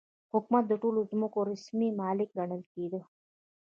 حکومت د ټولو ځمکو رسمي مالک ګڼل کېده.